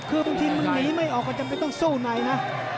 พิมพ์ทีน้ายหนีไม่ออกก็จะไม่ต้องสู้นายนะ